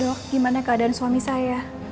yuk gimana keadaan suami saya